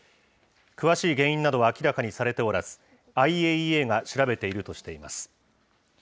詳しい原因などは明らかにされておらず、ＩＡＥＡが調べているとしています。